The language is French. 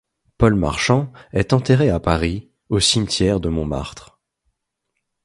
Paul Marchand est enterré à Paris, au cimetière de Montmartre.